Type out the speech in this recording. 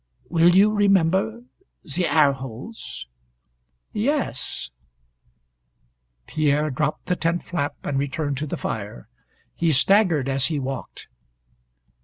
Will you remember the airholes " "Yes s s s " Pierre dropped the tent flap and returned to the fire. He staggered as he walked.